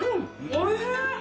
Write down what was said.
おいしい！